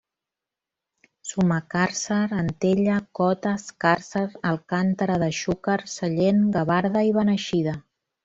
Sumacàrcer, Antella, Cotes, Càrcer, Alcàntera de Xúquer, Sellent, Gavarda i Beneixida.